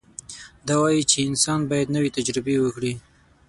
دا وایي چې انسان باید نوې تجربې وکړي.